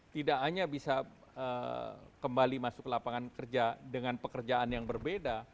tidak hanya bisa kembali masuk ke lapangan kerja dengan pekerjaan yang berbeda